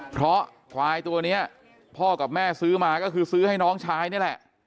เพราะควายตัวนี้พ่อกับแม่ซื้อมาก็คือซื้อให้น้องชายนี่แหละ